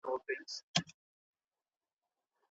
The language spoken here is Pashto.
که په کار کي دقت ونه سي نو ویډیو نیمګړې پاته کیږي.